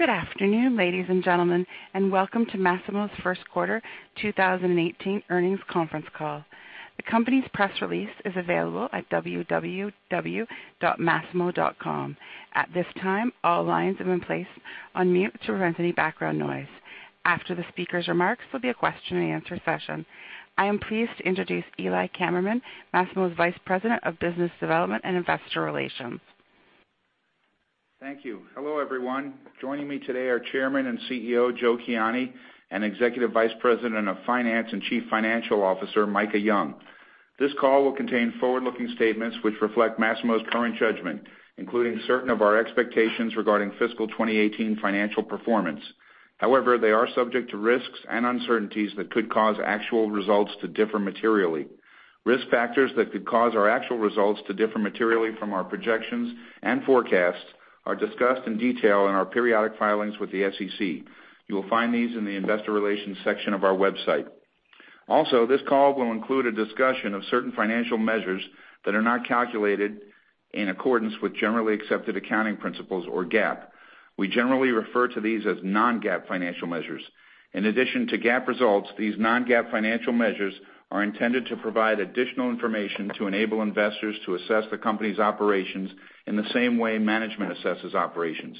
Good afternoon, ladies and gentlemen, welcome to Masimo's first quarter 2018 earnings conference call. The company's press release is available at www.masimo.com. At this time, all lines have been placed on mute to prevent any background noise. After the speaker's remarks, there'll be a question and answer session. I am pleased to introduce Eli Kammerman, Masimo's Vice President of Business Development and Investor Relations. Thank you. Hello, everyone. Joining me today are Chairman and CEO, Joe Kiani, and Executive Vice President of Finance and Chief Financial Officer, Micah Young. This call will contain forward-looking statements which reflect Masimo's current judgment, including certain of our expectations regarding fiscal 2018 financial performance. They are subject to risks and uncertainties that could cause actual results to differ materially. Risk factors that could cause our actual results to differ materially from our projections and forecasts are discussed in detail in our periodic filings with the SEC. You will find these in the investor relations section of our website. This call will include a discussion of certain financial measures that are not calculated in accordance with generally accepted accounting principles or GAAP. We generally refer to these as non-GAAP financial measures. In addition to GAAP results, these non-GAAP financial measures are intended to provide additional information to enable investors to assess the company's operations in the same way management assesses operations.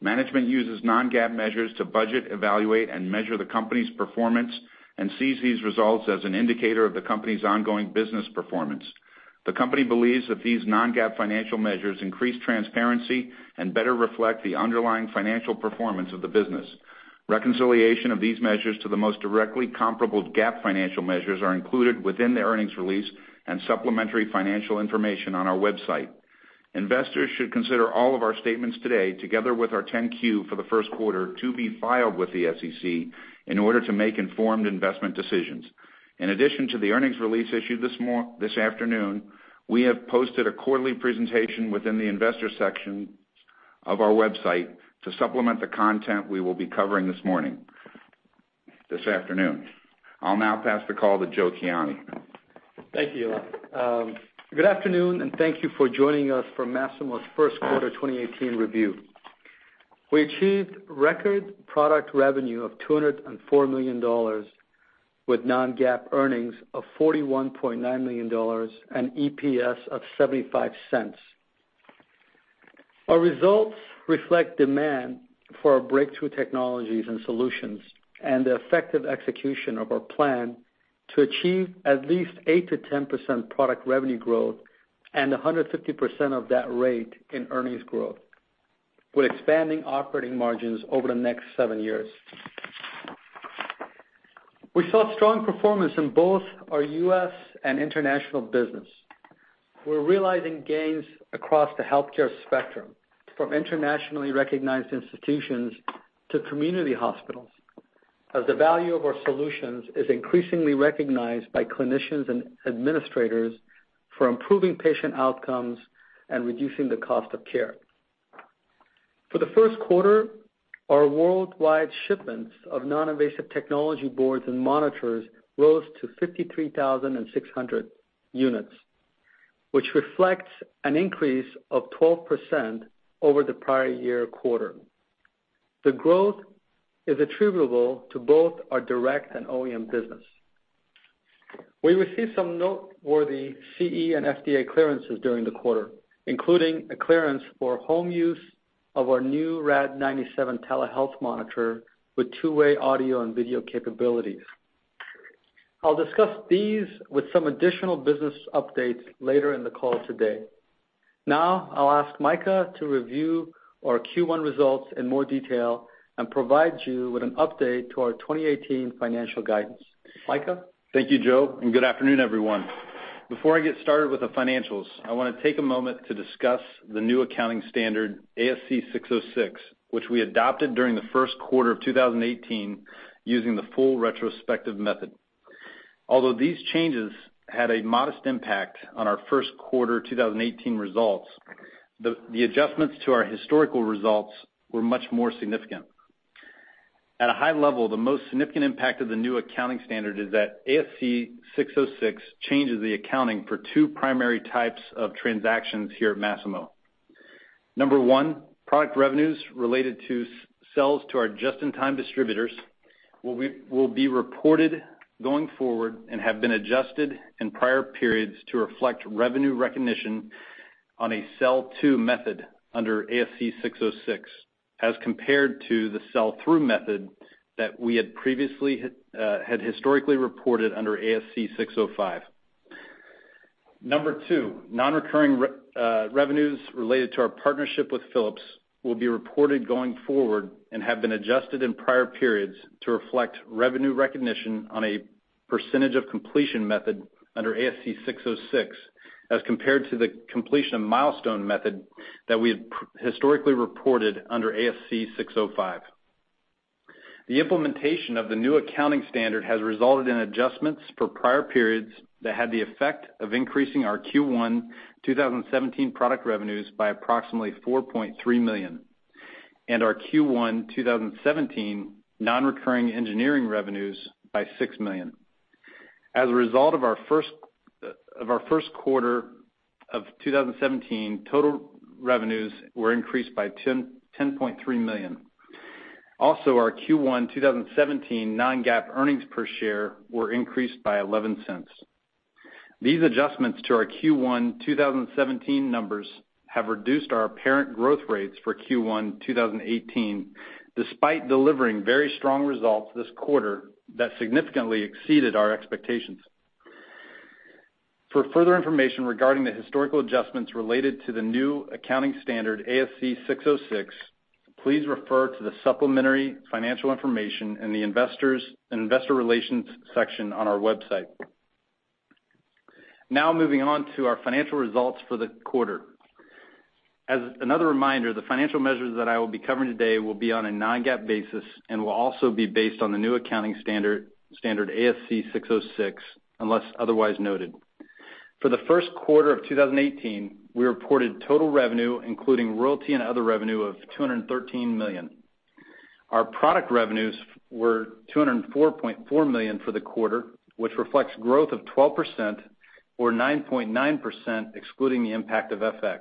Management uses non-GAAP measures to budget, evaluate, and measure the company's performance and sees these results as an indicator of the company's ongoing business performance. The company believes that these non-GAAP financial measures increase transparency and better reflect the underlying financial performance of the business. Reconciliation of these measures to the most directly comparable GAAP financial measures are included within the earnings release and supplementary financial information on our website. Investors should consider all of our statements today, together with our 10-Q for the first quarter, to be filed with the SEC in order to make informed investment decisions. In addition to the earnings release issued this afternoon, we have posted a quarterly presentation within the investor sections of our website to supplement the content we will be covering this afternoon. I'll now pass the call to Joe Kiani. Thank you, Eli. Good afternoon, and thank you for joining us for Masimo's first quarter 2018 review. We achieved record product revenue of $204 million with non-GAAP earnings of $41.9 million and EPS of $0.75. Our results reflect demand for our breakthrough technologies and solutions and the effective execution of our plan to achieve at least 8%-10% product revenue growth and 150% of that rate in earnings growth, with expanding operating margins over the next seven years. We saw strong performance in both our U.S. and international business. We're realizing gains across the healthcare spectrum, from internationally recognized institutions to community hospitals, as the value of our solutions is increasingly recognized by clinicians and administrators for improving patient outcomes and reducing the cost of care. For the first quarter, our worldwide shipments of noninvasive technology boards and monitors rose to 53,600 units, which reflects an increase of 12% over the prior year quarter. The growth is attributable to both our direct and OEM business. We received some noteworthy CE and FDA clearances during the quarter, including a clearance for home use of our new Rad-97 telehealth monitor with two-way audio and video capabilities. I'll discuss these with some additional business updates later in the call today. Now, I'll ask Micah to review our Q1 results in more detail and provide you with an update to our 2018 financial guidance. Micah? Thank you, Joe, and good afternoon, everyone. Before I get started with the financials, I want to take a moment to discuss the new accounting standard, ASC 606, which we adopted during the first quarter of 2018 using the full retrospective method. Although these changes had a modest impact on our first quarter 2018 results, the adjustments to our historical results were much more significant. At a high level, the most significant impact of the new accounting standard is that ASC 606 changes the accounting for 2 primary types of transactions here at Masimo. Number 1, product revenues related to sales to our just-in-time distributors will be reported going forward and have been adjusted in prior periods to reflect revenue recognition on a sell-to method under ASC 606 as compared to the sell-through method that we had historically reported under ASC 605. Number 2, non-recurring revenues related to our partnership with Philips will be reported going forward and have been adjusted in prior periods to reflect revenue recognition on a percentage of completion method under ASC 606 as compared to the completion of milestone method that we had historically reported under ASC 605. The implementation of the new accounting standard has resulted in adjustments for prior periods that had the effect of increasing our Q1 2017 product revenues by approximately $4.3 million and our Q1 2017 non-recurring engineering revenues by $6 million. As a result of our first quarter of 2017, total revenues were increased by $10.3 million. Our Q1 2017 non-GAAP earnings per share were increased by $0.11. These adjustments to our Q1 2017 numbers have reduced our apparent growth rates for Q1 2018, despite delivering very strong results this quarter that significantly exceeded our expectations. For further information regarding the historical adjustments related to the new accounting standard, ASC 606, please refer to the supplementary financial information in the investor relations section on our website. Moving on to our financial results for the quarter. As another reminder, the financial measures that I will be covering today will be on a non-GAAP basis and will also be based on the new accounting standard, ASC 606, unless otherwise noted. For the first quarter of 2018, we reported total revenue, including royalty and other revenue, of $213 million. Our product revenues were $204.4 million for the quarter, which reflects growth of 12% or 9.9% excluding the impact of FX.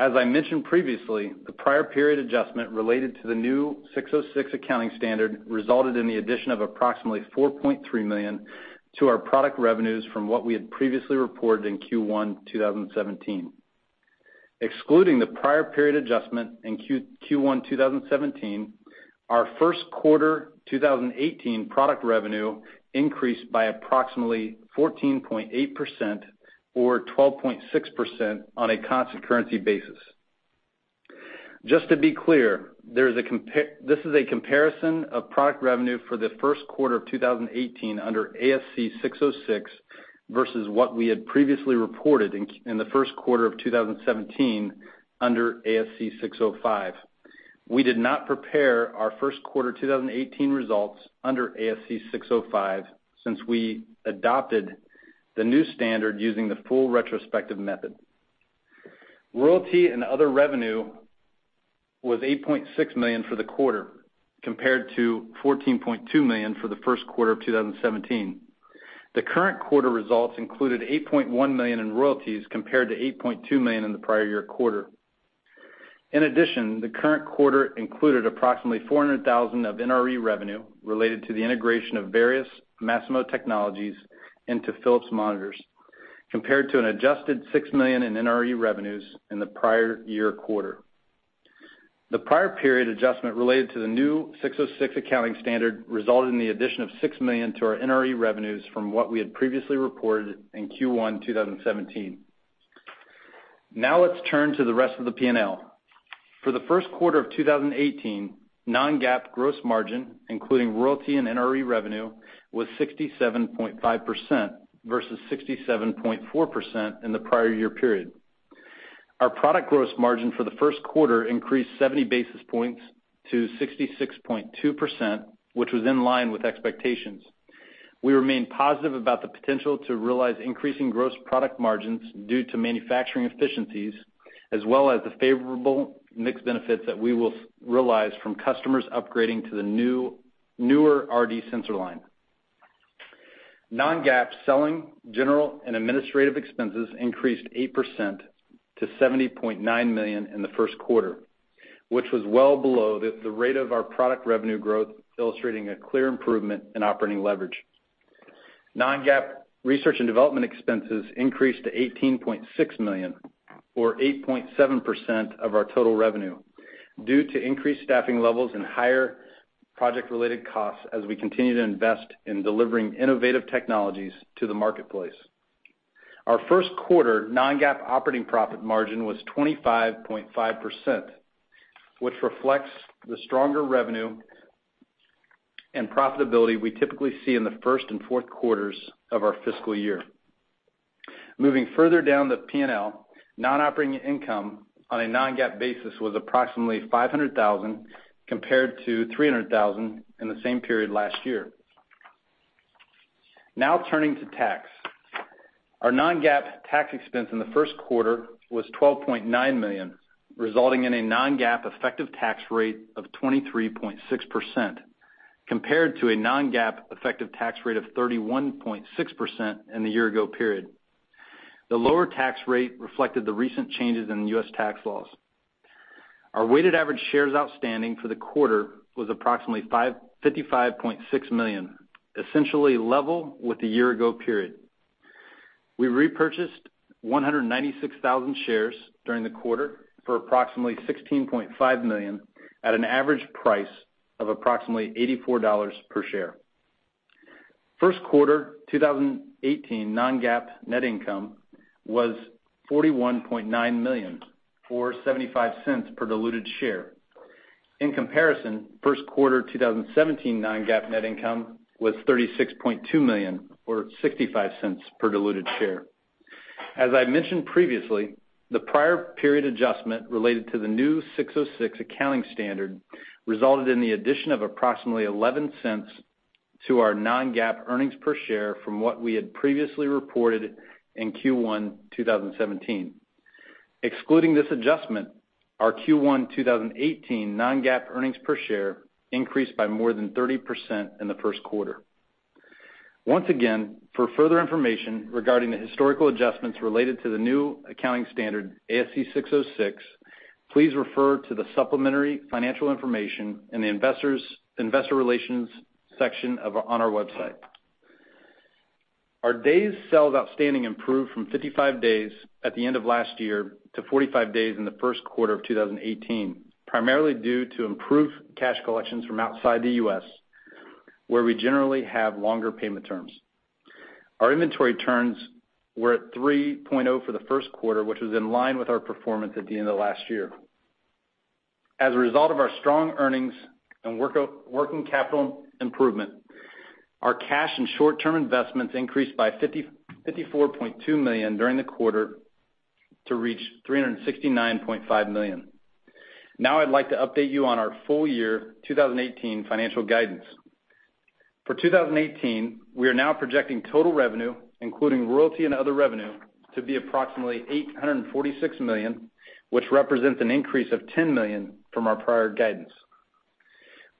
As I mentioned previously, the prior period adjustment related to the new ASC 606 accounting standard resulted in the addition of approximately $4.3 million to our product revenues from what we had previously reported in Q1 2017. Excluding the prior period adjustment in Q1 2017, our first quarter 2018 product revenue increased by approximately 14.8% or 12.6% on a constant currency basis. Just to be clear, this is a comparison of product revenue for the first quarter of 2018 under ASC 606 versus what we had previously reported in the first quarter of 2017 under ASC 605. We did not prepare our first quarter 2018 results under ASC 605 since we adopted the new standard using the full retrospective method. Royalty and other revenue was $8.6 million for the quarter, compared to $14.2 million for the first quarter of 2017. The current quarter results included $8.1 million in royalties compared to $8.2 million in the prior year quarter. The current quarter included approximately $400,000 of NRE revenue related to the integration of various Masimo technologies into Philips monitors, compared to an adjusted $6 million in NRE revenues in the prior year quarter. The prior period adjustment related to the new ASC 606 accounting standard resulted in the addition of $6 million to our NRE revenues from what we had previously reported in Q1 2017. Let's turn to the rest of the P&L. For the first quarter of 2018, non-GAAP gross margin, including royalty and NRE revenue, was 67.5% versus 67.4% in the prior year period. Our product gross margin for the first quarter increased 70 basis points to 66.2%, which was in line with expectations. We remain positive about the potential to realize increasing gross product margins due to manufacturing efficiencies, as well as the favorable mix benefits that we will realize from customers upgrading to the newer RD sensor line. Non-GAAP selling, general and administrative expenses increased 8% to $70.9 million in the first quarter, which was well below the rate of our product revenue growth, illustrating a clear improvement in operating leverage. Non-GAAP research and development expenses increased to $18.6 million, or 8.7% of our total revenue due to increased staffing levels and higher project-related costs as we continue to invest in delivering innovative technologies to the marketplace. Our first quarter non-GAAP operating profit margin was 25.5%, which reflects the stronger revenue and profitability we typically see in the first and fourth quarters of our fiscal year. Moving further down the P&L, non-operating income on a non-GAAP basis was approximately $500,000 compared to $300,000 in the same period last year. Turning to tax. Our non-GAAP tax expense in the first quarter was $12.9 million, resulting in a non-GAAP effective tax rate of 23.6%, compared to a non-GAAP effective tax rate of 31.6% in the year ago period. The lower tax rate reflected the recent changes in the U.S. tax laws. Our weighted average shares outstanding for the quarter was approximately 55.6 million, essentially level with the year ago period. We repurchased 196,000 shares during the quarter for approximately $16.5 million at an average price of approximately $84 per share. First quarter 2018 non-GAAP net income was $41.9 million, or $0.75 per diluted share. In comparison, first quarter 2017 non-GAAP net income was $36.2 million or $0.65 per diluted share. As I mentioned previously, the prior period adjustment related to the new 606 accounting standard resulted in the addition of approximately $0.11 to our non-GAAP earnings per share from what we had previously reported in Q1 2017. Excluding this adjustment, our Q1 2018 non-GAAP earnings per share increased by more than 30% in the first quarter. For further information regarding the historical adjustments related to the new accounting standard, ASC 606, please refer to the supplementary financial information in the investor relations section on our website. Our days sales outstanding improved from 55 days at the end of last year to 45 days in the first quarter of 2018, primarily due to improved cash collections from outside the U.S., where we generally have longer payment terms. Our inventory turns were at 3.0 for the first quarter, which was in line with our performance at the end of last year. As a result of our strong earnings and working capital improvement, our cash and short-term investments increased by $54.2 million during the quarter to reach $369.5 million. I'd like to update you on our full year 2018 financial guidance. For 2018, we are now projecting total revenue, including royalty and other revenue, to be approximately $846 million, which represents an increase of $10 million from our prior guidance.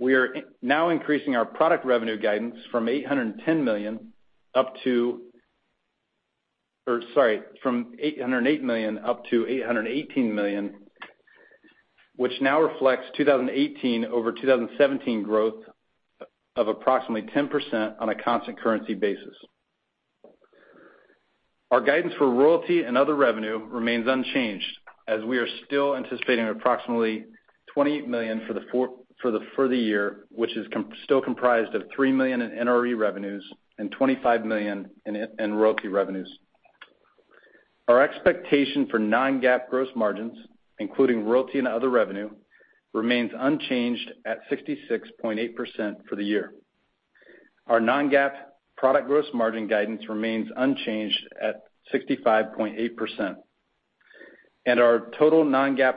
We are now increasing our product revenue guidance from $808 million up to $818 million, which now reflects 2018 over 2017 growth of approximately 10% on a constant currency basis. Our guidance for royalty and other revenue remains unchanged, as we are still anticipating approximately $20 million for the year, which is still comprised of $3 million in NRE revenues and $25 million in royalty revenues. Our expectation for non-GAAP gross margins, including royalty and other revenue, remains unchanged at 66.8% for the year. Our non-GAAP product gross margin guidance remains unchanged at 65.8%, and our total non-GAAP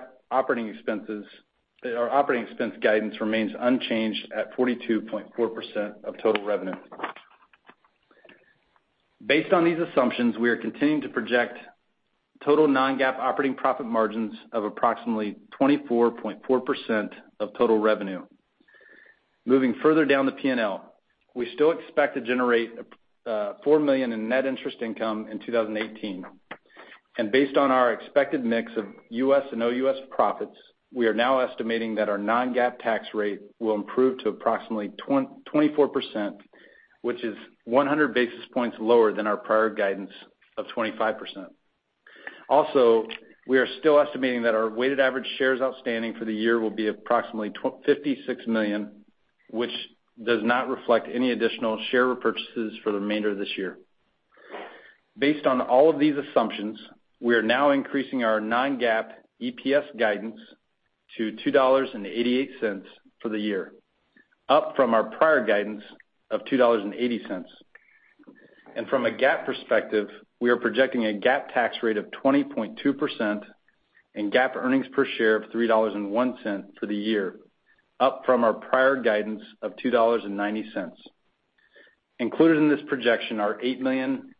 operating expense guidance remains unchanged at 42.4% of total revenue. Based on these assumptions, we are continuing to project total non-GAAP operating profit margins of approximately 24.4% of total revenue. Moving further down the P&L, we still expect to generate $4 million in net interest income in 2018. Based on our expected mix of U.S. and OUS profits, we are now estimating that our non-GAAP tax rate will improve to approximately 24%, which is 100 basis points lower than our prior guidance of 25%. Also, we are still estimating that our weighted average shares outstanding for the year will be approximately 56 million, which does not reflect any additional share repurchases for the remainder of this year. Based on all of these assumptions, we are now increasing our non-GAAP EPS guidance to $2.88 for the year, up from our prior guidance of $2.80. From a GAAP perspective, we are projecting a GAAP tax rate of 20.2% and GAAP earnings per share of $3.01 for the year, up from our prior guidance of $2.90. Included in this projection are $8 million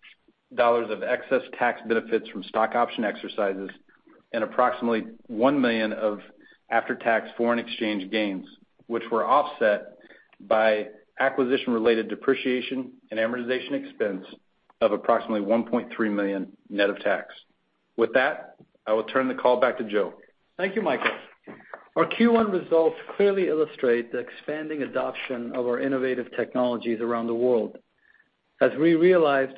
of excess tax benefits from stock option exercises and approximately $1 million of after-tax foreign exchange gains, which were offset by acquisition-related depreciation and amortization expense of approximately $1.3 million, net of tax. With that, I will turn the call back to Joe. Thank you, Micah. Our Q1 results clearly illustrate the expanding adoption of our innovative technologies around the world, as we realized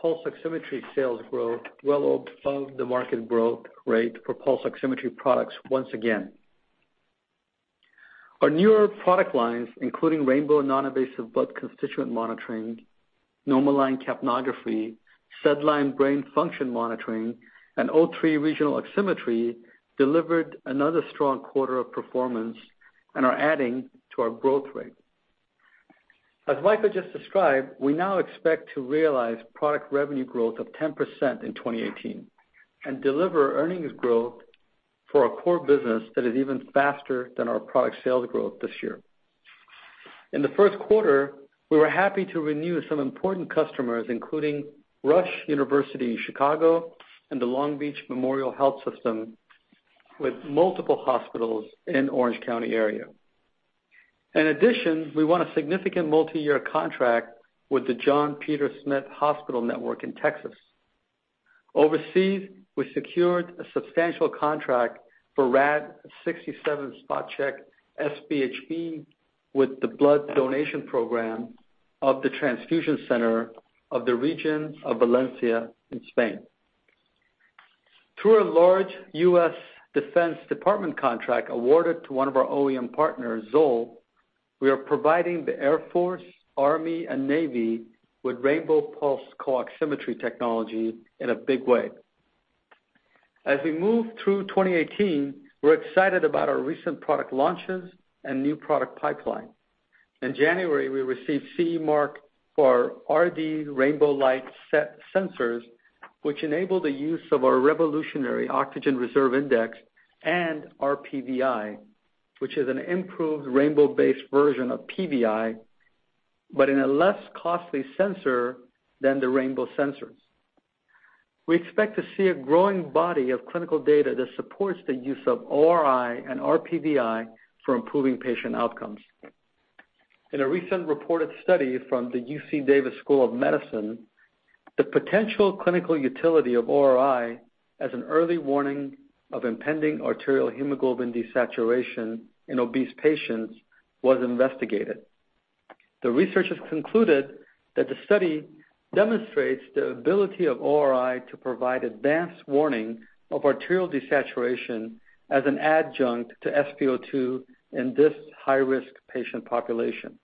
pulse oximetry sales growth well above the market growth rate for pulse oximetry products once again. Our newer product lines, including rainbow non-invasive blood constituent monitoring, NomoLine capnography, SedLine brain function monitoring, and O3 regional oximetry, delivered another strong quarter of performance and are adding to our growth rate. As Micah just described, we now expect to realize product revenue growth of 10% in 2018 and deliver earnings growth for our core business that is even faster than our product sales growth this year. In the first quarter, we were happy to renew some important customers, including Rush University Medical Center and the MemorialCare Long Beach Medical Center, with multiple hospitals in Orange County area. We won a significant multi-year contract with the John Peter Smith Hospital network in Texas. Overseas, we secured a substantial contract for Rad-67 Spot-check SpHb with the blood donation program of the transfusion center of the region of Valencia in Spain. Through a large U.S. Department of Defense contract awarded to one of our OEM partners, Zoll, we are providing the Air Force, Army, and Navy with rainbow Pulse CO-Oximetry technology in a big way. As we move through 2018, we're excited about our recent product launches and new product pipeline. In January, we received CE mark for our RD rainbow LiteSet sensors, which enable the use of our revolutionary Oxygen Reserve Index and RPVI, which is an improved rainbow-based version of PVI in a less costly sensor than the rainbow sensors. We expect to see a growing body of clinical data that supports the use of ORI and RPVI for improving patient outcomes. In a recent reported study from the UC Davis School of Medicine, the potential clinical utility of ORI as an early warning of impending arterial hemoglobin desaturation in obese patients was investigated. The researchers concluded that the study demonstrates the ability of ORI to provide advanced warning of arterial desaturation as an adjunct to SpO2 in this high-risk patient population.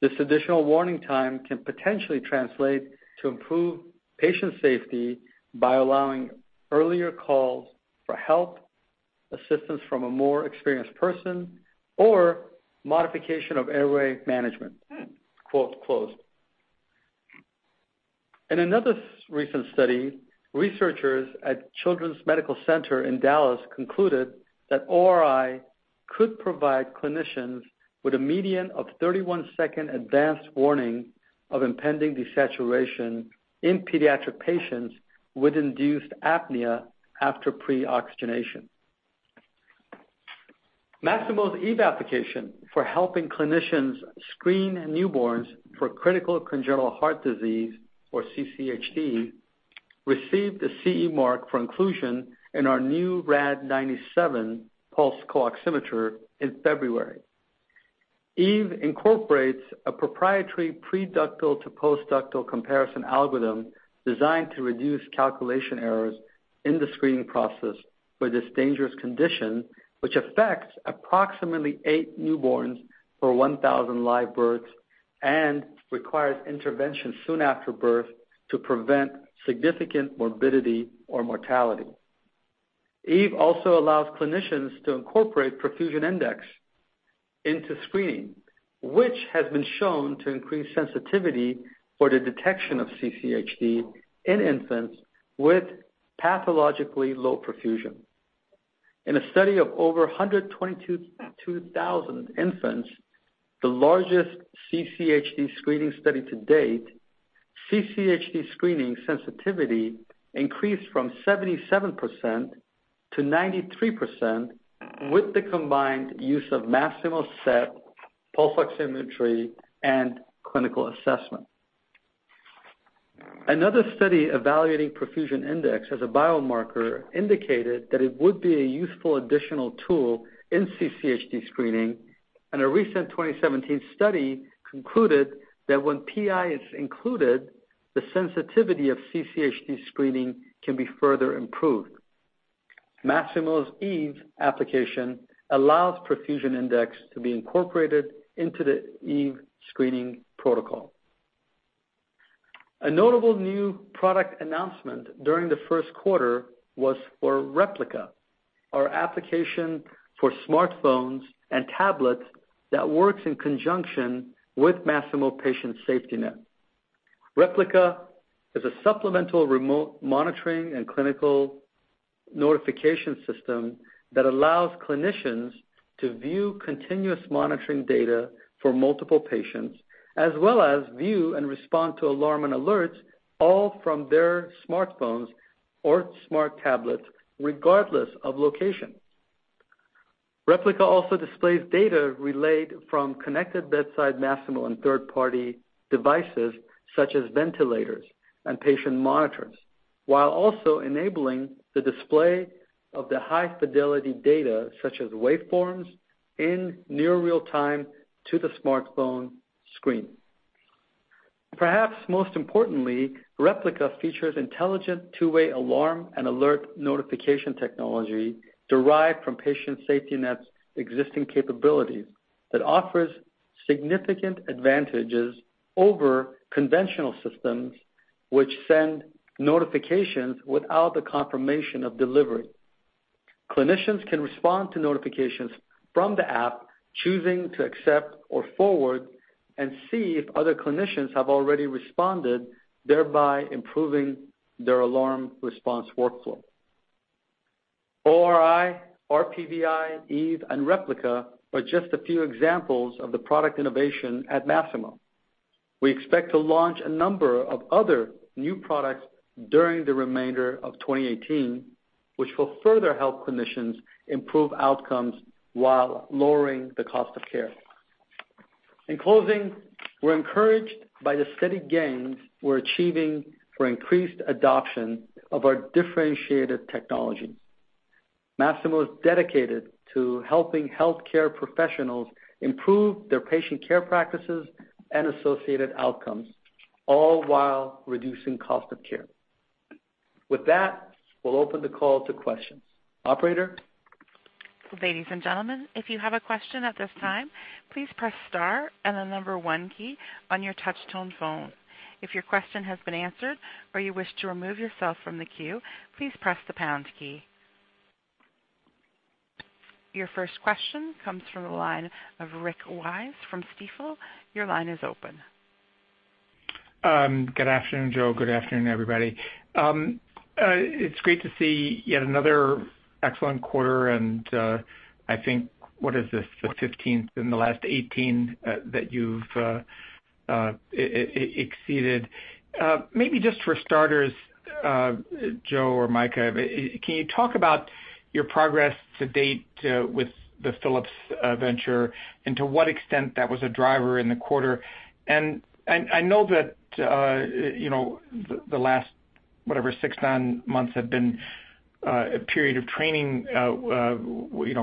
This additional warning time can potentially translate to improve patient safety by allowing earlier calls for help, assistance from a more experienced person, or modification of airway management. In another recent study, researchers at Children's Medical Center Dallas concluded that ORI could provide clinicians with a median of 31-second advanced warning of impending desaturation in pediatric patients with induced apnea after pre-oxygenation. Masimo's Eve application for helping clinicians screen newborns for critical congenital heart disease, or CCHD, received a CE mark for inclusion in our new Rad-97 pulse oximeter in February. Eve incorporates a proprietary preductal to postductal comparison algorithm designed to reduce calculation errors in the screening process for this dangerous condition, which affects approximately eight newborns per 1,000 live births and requires intervention soon after birth to prevent significant morbidity or mortality. Eve also allows clinicians to incorporate perfusion index into screening, which has been shown to increase sensitivity for the detection of CCHD in infants with pathologically low perfusion. In a study of over 122,000 infants, the largest CCHD screening study to date, CCHD screening sensitivity increased from 77%-93% with the combined use of Masimo SET, pulse oximetry, and clinical assessment. Another study evaluating perfusion index as a biomarker indicated that it would be a useful additional tool in CCHD screening. A recent 2017 study concluded that when PI is included, the sensitivity of CCHD screening can be further improved. Masimo's Eve application allows perfusion index to be incorporated into the Eve screening protocol. A notable new product announcement during the first quarter was for Replica, our application for smartphones and tablets that works in conjunction with Masimo Patient SafetyNet. Replica is a supplemental remote monitoring and clinical notification system that allows clinicians to view continuous monitoring data for multiple patients, as well as view and respond to alarm and alerts, all from their smartphones or smart tablets, regardless of location. Replica also displays data relayed from connected bedside Masimo and third-party devices such as ventilators and patient monitors, while also enabling the display of the high-fidelity data, such as waveforms, in near real time to the smartphone screen. Perhaps most importantly, Replica features intelligent two-way alarm and alert notification technology derived from Patient SafetyNet's existing capabilities that offers significant advantages over conventional systems which send notifications without the confirmation of delivery. Clinicians can respond to notifications from the app, choosing to accept or forward and see if other clinicians have already responded, thereby improving their alarm response workflow. ORI, RPVI, Eve, and Replica are just a few examples of the product innovation at Masimo. We expect to launch a number of other new products during the remainder of 2018, which will further help clinicians improve outcomes while lowering the cost of care. In closing, we're encouraged by the steady gains we're achieving for increased adoption of our differentiated technology. Masimo is dedicated to helping healthcare professionals improve their patient care practices and associated outcomes, all while reducing cost of care. With that, we'll open the call to questions. Operator? Ladies and gentlemen, if you have a question at this time, please press star and the number one key on your touch-tone phone. If your question has been answered or you wish to remove yourself from the queue, please press the pound key. Your first question comes from the line of Rick Wise from Stifel. Your line is open. Good afternoon, Joe. Good afternoon, everybody. It's great to see yet another excellent quarter and I think, what is this? The 15th in the last 18 that you've exceeded. Maybe just for starters, Joe or Micah, can you talk about your progress to date with the Philips venture and to what extent that was a driver in the quarter? I know that the last, whatever, six, nine months have been a period of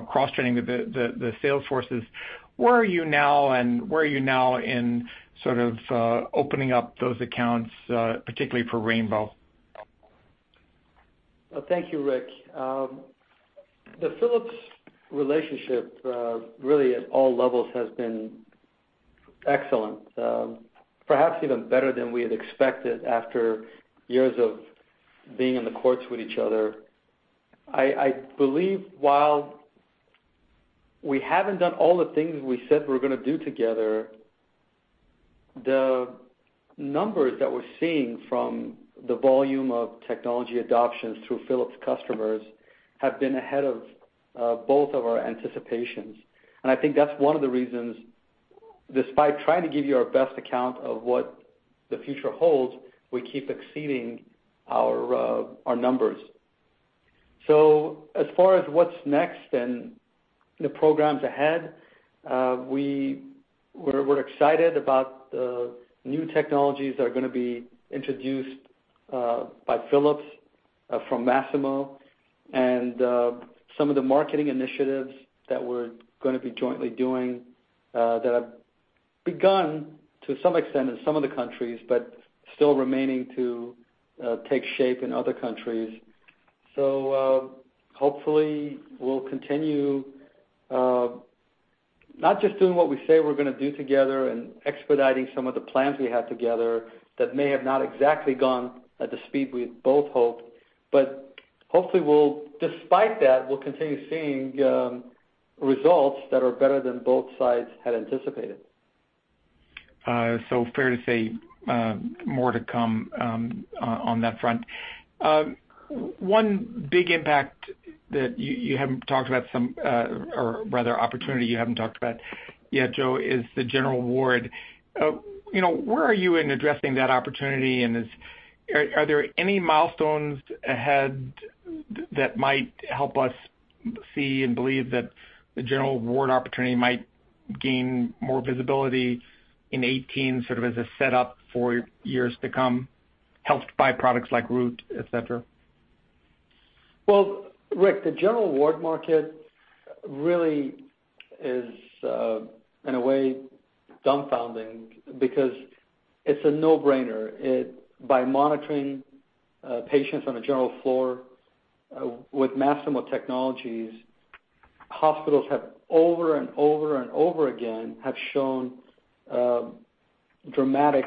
cross-training the sales forces. Where are you now, and where are you now in sort of opening up those accounts, particularly for Rainbow? Thank you, Rick. The Philips relationship, really at all levels has been excellent. Perhaps even better than we had expected after years of being in the courts with each other. I believe while we haven't done all the things we said we were going to do together, the numbers that we're seeing from the volume of technology adoptions through Philips customers have been ahead of both of our anticipations. I think that's one of the reasons, despite trying to give you our best account of what the future holds, we keep exceeding our numbers. As far as what's next and the programs ahead, we're excited about the new technologies that are going to be introduced by Philips from Masimo and some of the marketing initiatives that we're going to be jointly doing, that have begun to some extent in some of the countries, but still remaining to take shape in other countries. Hopefully we'll continue, not just doing what we say we're going to do together and expediting some of the plans we have together that may have not exactly gone at the speed we had both hoped, but hopefully despite that, we'll continue seeing results that are better than both sides had anticipated. Fair to say, more to come on that front. One big impact that you haven't talked about some, or rather opportunity you haven't talked about yet, Joe, is the general ward. Where are you in addressing that opportunity, and are there any milestones ahead that might help us see and believe that the general ward opportunity might gain more visibility in 2018 sort of as a setup for years to come, helped by products like Root, et cetera? Well, Rick, the general ward market really is, in a way, dumbfounding because it's a no-brainer. By monitoring patients on a general floor with Masimo technologies, hospitals over and over again have shown dramatic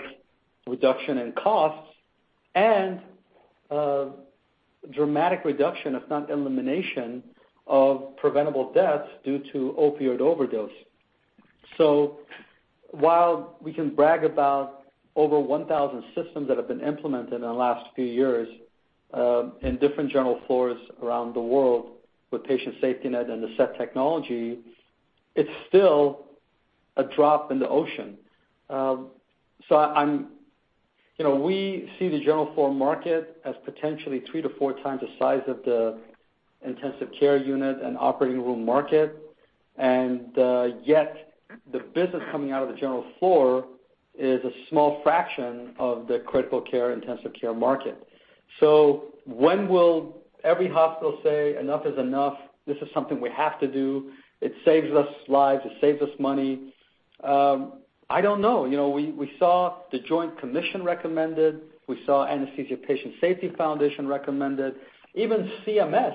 reduction in costs and dramatic reduction, if not elimination, of preventable deaths due to opioid overdose. While we can brag about over 1,000 systems that have been implemented in the last few years in different general floors around the world with Patient SafetyNet and the SET technology, it's still a drop in the ocean. We see the general floor market as potentially three to four times the size of the intensive care unit and operating room market, and yet the business coming out of the general floor is a small fraction of the critical care intensive care market. When will every hospital say, "Enough is enough. This is something we have to do. It saves us lives. It saves us money"? I don't know. We saw The Joint Commission recommend it. We saw Anesthesia Patient Safety Foundation recommend it. Even CMS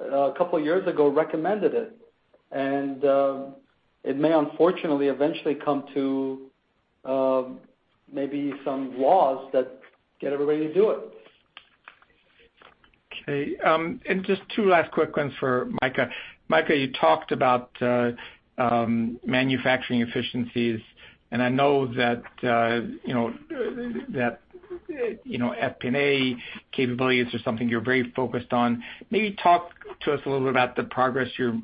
a couple of years ago recommended it, and it may unfortunately eventually come to maybe some laws that get everybody to do it. Just two last quick ones for Micah. Micah, you talked about manufacturing efficiencies, and I know that FP&A capabilities are something you're very focused on. Maybe talk to us a little bit about the progress you're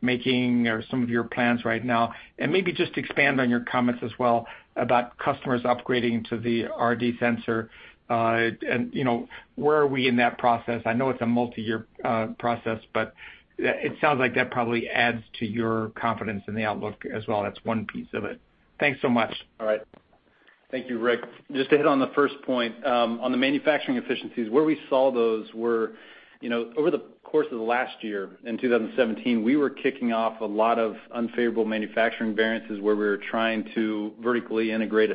making or some of your plans right now, and maybe just expand on your comments as well about customers upgrading to the RD sensor. Where are we in that process? I know it's a multi-year process, but it sounds like that probably adds to your confidence in the outlook as well. That's one piece of it. Thanks so much. All right. Thank you, Rick. Just to hit on the first point, on the manufacturing efficiencies, where we saw those were over the course of last year in 2017, we were kicking off a lot of unfavorable manufacturing variances where we were trying to vertically integrate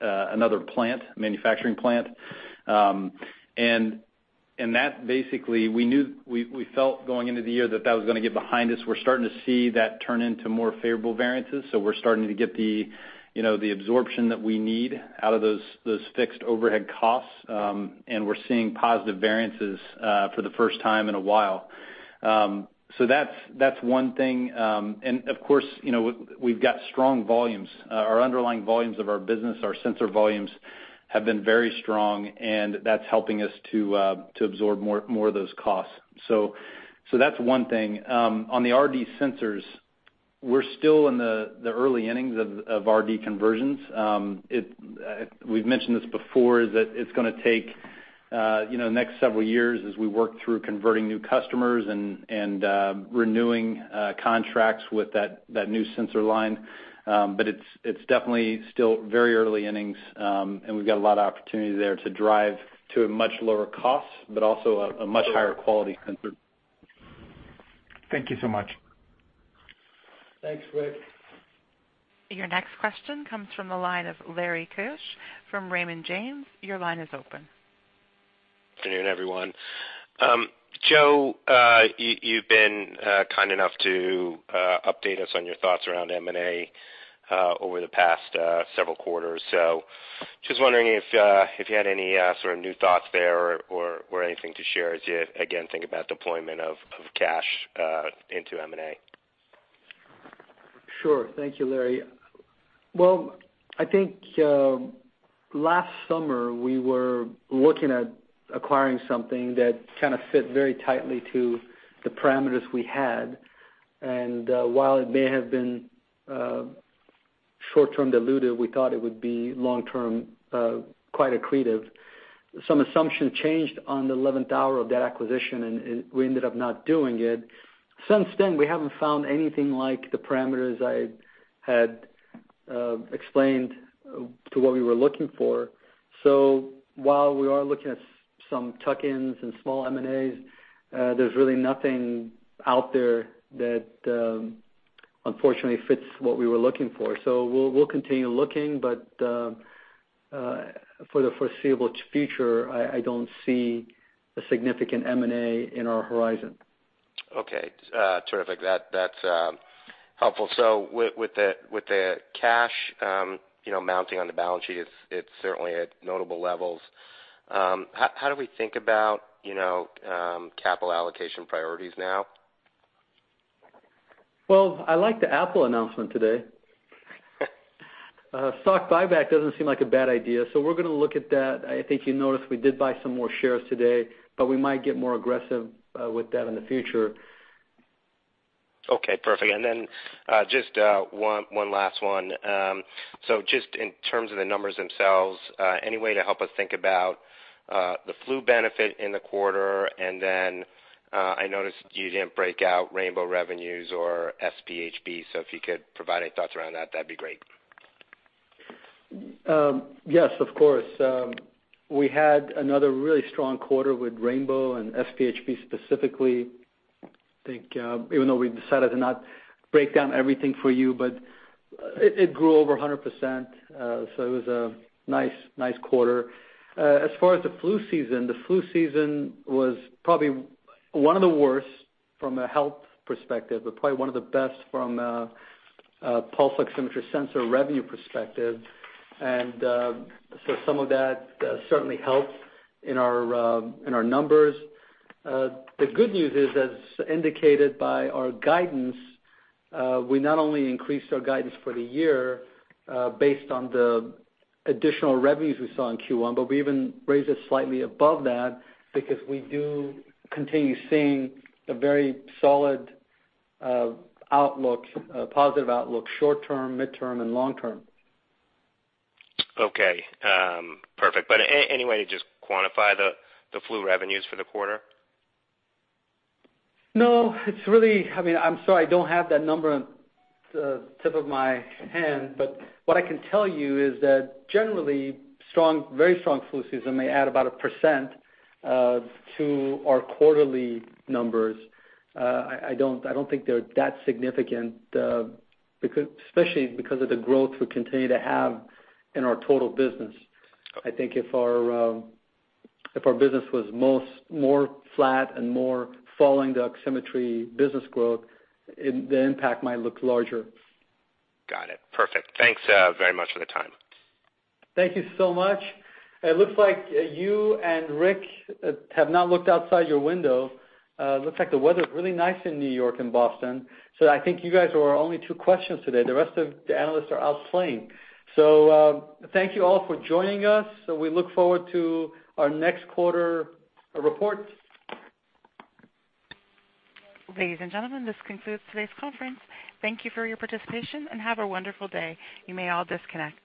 another plant, manufacturing plant. That basically, we felt going into the year that that was going to get behind us. We're starting to see that turn into more favorable variances, we're starting to get the absorption that we need out of those fixed overhead costs. We're seeing positive variances for the first time in a while. That's one thing. Of course, we've got strong volumes. Our underlying volumes of our business, our sensor volumes have been very strong, and that's helping us to absorb more of those costs. That's one thing. On the RD sensors, we're still in the early innings of RD conversions. We've mentioned this before is that it's going to take the next several years as we work through converting new customers and renewing contracts with that new sensor line. It's definitely still very early innings, and we've got a lot of opportunity there to drive to a much lower cost, but also a much higher quality sensor. Thank you so much. Thanks, Rick. Your next question comes from the line of Larry Keusch from Raymond James. Your line is open. Good afternoon, everyone. Joe, you've been kind enough to update us on your thoughts around M&A over the past several quarters. Just wondering if you had any sort of new thoughts there or anything to share as you, again, think about deployment of cash into M&A. Sure. Thank you, Larry. Well, I think last summer, we were looking at acquiring something that kind of fit very tightly to the parameters we had. While it may have been short-term dilutive, we thought it would be long-term quite accretive. Some assumption changed on the 11th hour of that acquisition, and we ended up not doing it. Since then, we haven't found anything like the parameters I had explained to what we were looking for. While we are looking at some tuck-ins and small M&As, there's really nothing out there that unfortunately fits what we were looking for. We'll continue looking, but for the foreseeable future, I don't see a significant M&A in our horizon. Terrific. That's helpful. With the cash mounting on the balance sheet, it's certainly at notable levels. How do we think about capital allocation priorities now? I like the Apple announcement today. Stock buyback doesn't seem like a bad idea. We're going to look at that. I think you noticed we did buy some more shares today. We might get more aggressive with that in the future. Okay, perfect. Just one last one. Just in terms of the numbers themselves, any way to help us think about the flu benefit in the quarter? I noticed you didn't break out rainbow revenues or SpHb. If you could provide any thoughts around that'd be great. Yes, of course. We had another really strong quarter with rainbow and SpHb specifically. I think even though we decided to not break down everything for you, it grew over 100%. It was a nice quarter. As far as the flu season, the flu season was probably one of the worst from a health perspective, probably one of the best from a pulse oximetry sensor revenue perspective. Some of that certainly helped in our numbers. The good news is, as indicated by our guidance, we not only increased our guidance for the year based on the additional revenues we saw in Q1, we even raised it slightly above that because we do continue seeing a very solid outlook, a positive outlook, short-term, mid-term, and long-term. Okay. Perfect. Any way to just quantify the flu revenues for the quarter? No. I'm sorry, I don't have that number on the tip of my hand, but what I can tell you is that generally, very strong flu season may add about 1% to our quarterly numbers. I don't think they're that significant, especially because of the growth we continue to have in our total business. Okay. I think if our business was more flat and more following the oximetry business growth, the impact might look larger. Got it. Perfect. Thanks very much for the time. Thank you so much. It looks like you and Rick have not looked outside your window. Looks like the weather's really nice in New York and Boston, I think you guys are our only two questions today. The rest of the analysts are out playing. Thank you all for joining us. We look forward to our next quarter report. Ladies and gentlemen, this concludes today's conference. Thank you for your participation, and have a wonderful day. You may all disconnect.